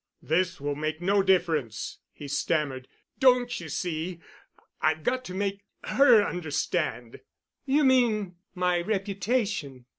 "This will make no difference," he stammered. "Don't you see—I've got to make her understand." "You mean—my reputation.